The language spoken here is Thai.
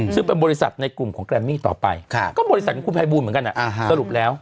ซึ่งเป็นบริษัทในกลุ่มของแรมมี่ต่อไปก็บริษัทของคุณภัยบูลเหมือนกันสรุปแล้ว